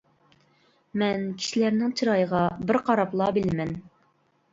-مەن كىشىلەرنىڭ چىرايىغا بىر قاراپلا بىلىمەن.